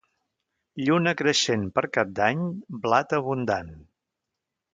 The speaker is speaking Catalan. Lluna creixent per Cap d'Any, blat abundant.